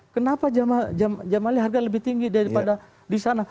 kenapa jam alih harga lebih tinggi daripada di sana